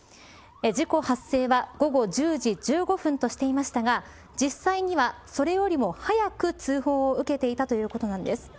事故発生は午後１０時１５分としていましたが実際には、それよりも早く通報を受けていたということなんです。